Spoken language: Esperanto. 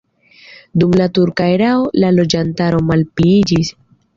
Dum la turka erao la loĝantaro malpliiĝis.